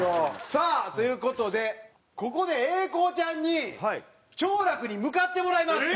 さあという事でここで英孝ちゃんに兆楽に向かってもらいます！